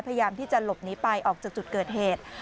พยายามที่จะหลบหนีไปออกจากจุดเกิดเหตุ